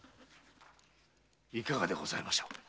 いかがでございましょう？